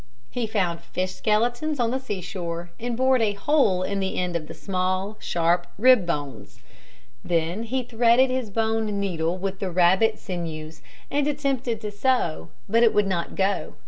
He found fish skeletons on the seashore and bored a hole in the end of the small, sharp rib bones. Then he threaded his bone needle with the rabbit sinews and attempted to sew, but it would not go.